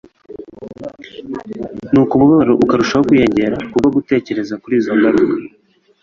nuko umubabaro ukarushaho kwiyongera, kubwo gutekereza kuri izo ngaruka.